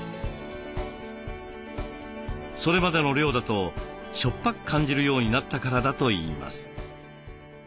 それまでの量だとしょっぱく感じるようになったからだといいます。